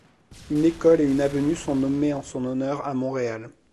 Une école et une avenue sont nommées en son honneur à Montréal.